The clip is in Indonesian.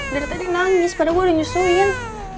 dari tadi nangis padahal gue udah nyusuin